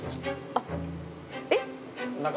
あっ、えっ？